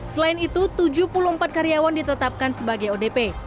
selain itu tujuh puluh empat karyawan ditetapkan sebagai odp